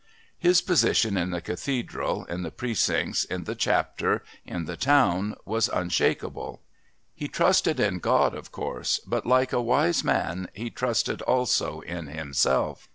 His position in the Cathedral, in the Precincts, in the Chapter, in the Town, was unshakable. He trusted in God, of course, but, like a wise man, he trusted also in himself.